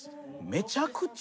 めちゃくちゃ。